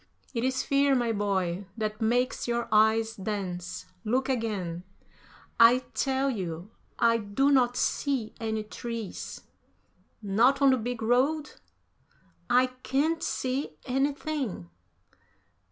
"It is fear, my boy, that makes your eyes dance; look again." "I tell you, I do not see any trees." "Not on the big road?" "I can't see anything."